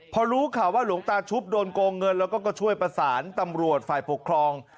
พอรู้ข่าวว่าหลวงตาชุบโดนโกงเงินแล้วก็ช่วยประสานตำรวจฝ่ายปกครอง